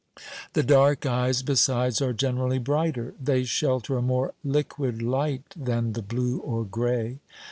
The dark eyes, besides, are generally brighter they shelter a more liquid light than the blue or grey.